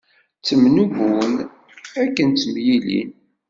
Ttemnubun akken ttemyilin.